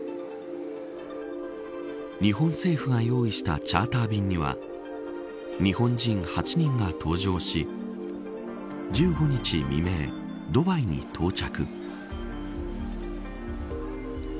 日本政府が用意したチャーター便には日本人８人が搭乗し１５日未明、ドバイに到着。